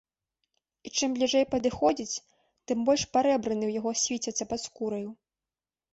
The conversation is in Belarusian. І чым бліжэй падыходзіць, тым больш парэбрыны ў яго свіцяцца пад скураю.